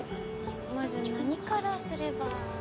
まず何からすれば？